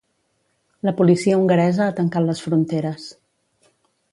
La policia hongaresa ha tancat les fronteres